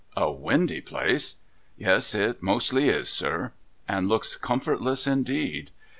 ' A windy place !'' Yes, it mostly is, sir.' ' And looks comfortless indeed